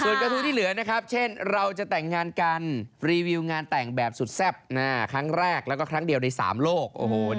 ส่วนกระทู้ที่เหลือนะครับเช่นเราจะแต่งงานกันรีวิวงานแต่งแบบสุดแซ่บครั้งแรกแล้วก็ครั้งเดียวใน๓โลก